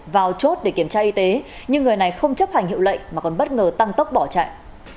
vào chốt để kiểm tra y tế nhưng người này không chấp hành hiệu lệnh mà còn bất ngờ tăng tốc bỏ chạy